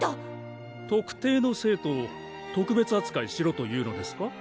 特定の生徒を特別扱いしろというのですか？